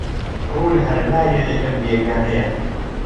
ڕوو لەهەر لایێ دەکەم بێگانەیە